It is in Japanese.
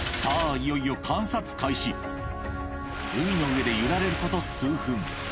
いよいよ海の上で揺られること数分・